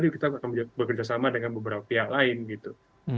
kita akan bekerja sama dengan beberapa pihak lain gitu